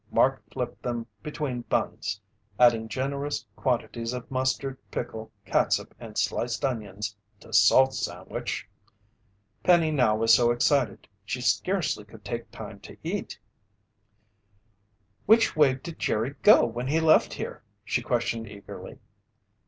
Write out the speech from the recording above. Mark flipped them between buns, adding generous quantities of mustard, pickle, catsup, and sliced onions to Salt's sandwich. Penny now was so excited she scarcely could take time to eat. "Which way did Jerry go when he left here?" she questioned eagerly.